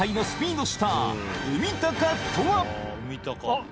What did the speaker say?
あっ！